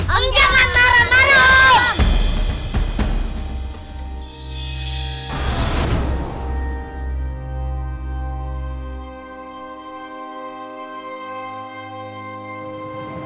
om jangan marah malam